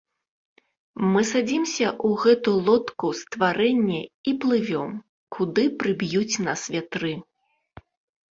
Мы садзімся ў гэту лодку стварэння і плывём, куды прыб'юць нас вятры.